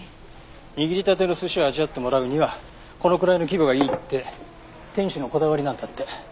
握りたての寿司を味わってもらうにはこのくらいの規模がいいって店主のこだわりなんだって。